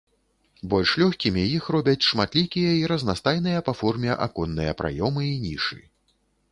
Больш лёгкімі іх робяць шматлікія і разнастайныя па форме аконныя праёмы і нішы.